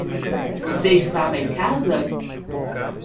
Você estava em casa?